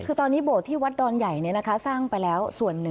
คือตอนนี้โบสถที่วัดดอนใหญ่สร้างไปแล้วส่วนหนึ่ง